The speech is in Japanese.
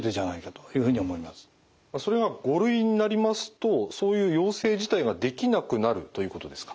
それが５類になりますとそういう要請自体ができなくなるということですか？